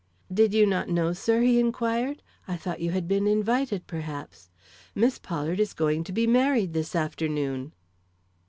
"Did you not know, sir?" he inquired. "I thought you had been invited, perhaps; Miss Pollard is going to be married this afternoon."